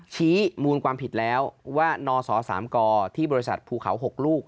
ชี้มูลความผิดแล้วว่านศ๓กที่บริษัทภูเขา๖ลูก